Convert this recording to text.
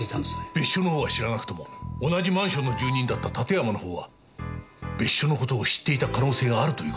別所の方は知らなくとも同じマンションの住人だった館山の方は別所の事を知っていた可能性があるという事か。